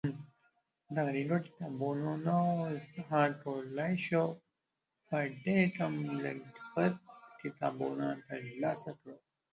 د غږیزو کتابتونونو څخه کولای شو په ډېر کم لګښت کتابونه ترلاسه کړو.